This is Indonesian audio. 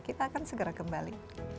kita akan segera kembali